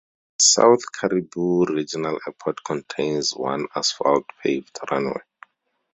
South Cariboo Regional Airport contains one Asphalt paved runway.